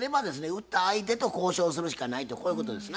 売った相手と交渉するしかないとこういうことですな。